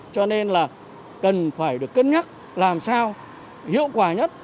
cho nên là cần phải được cân nhắc làm sao hiệu quả nhất